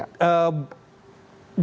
jawa timur memang